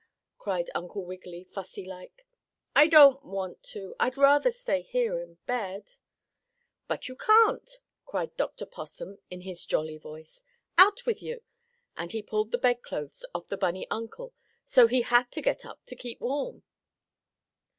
cried Uncle Wiggily, fussy like. "I don't want to. I'd rather stay here in bed." "But you can't!" cried Dr. Possum in his jolly voice. "Out with you!" and he pulled the bed clothes off the bunny uncle so he had to get up to keep warm.